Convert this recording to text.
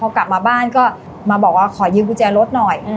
พอกลับมาบ้านก็มาบอกว่าขอยืมกุญแจรถหน่อย